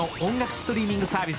ストリーミングサービス